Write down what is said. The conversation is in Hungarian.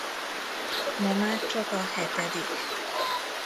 Ma már csak a hetedik.